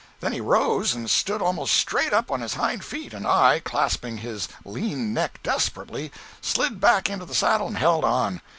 Then he rose and stood almost straight up on his hind feet, and I, clasping his lean neck desperately, slid back into the saddle and held on.